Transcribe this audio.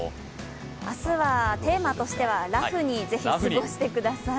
明日はテーマとしては、ぜひラフに過ごしてください。